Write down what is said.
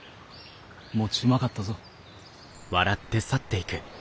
餅うまかったぞ。